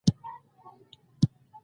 کمونيسټ په خپله خبره پښېمانه نه و.